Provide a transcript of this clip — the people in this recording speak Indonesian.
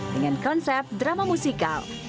dengan konsep drama musikal